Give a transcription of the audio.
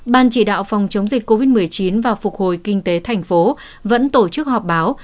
ban chỉ đạo phòng chống dịch covid một mươi chín và phục hồi kinh tế thành phố vẫn tổ chức họp báo